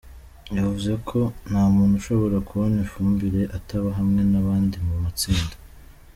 Yavuze ko: “Nta muntu ushobora kubona ifumbire ataba hamwe n’abandi mu matsinda.